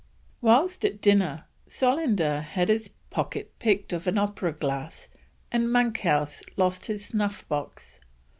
Whilst at dinner, Solander had his pocket picked of an opera glass, and Monkhouse lost his snuff box.